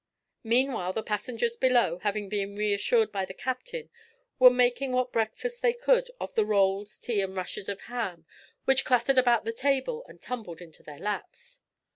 Meanwhile, the passengers below, having been reassured by the captain, were making what breakfast they could off the rolls, tea, and rashers of ham which clattered about the table and tumbled into their laps.